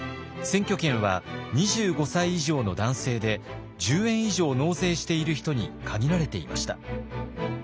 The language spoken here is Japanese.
選挙権は２５歳以上の男性で１０円以上納税している人に限られていました。